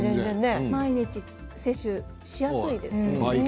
毎日摂取しやすいですね。